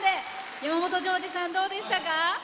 山本譲二さん、どうでしたか？